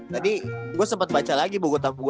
tadi gue sempet baca lagi bu